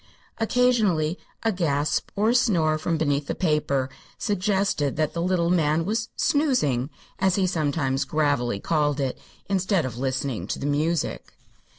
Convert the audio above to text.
Occasionally a gasp or a snore from beneath the paper suggested that the little man was "snoozing" as he sometimes gravely called it, instead of listening to the music.